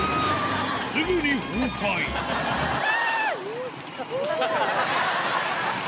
すぐに崩壊キャ！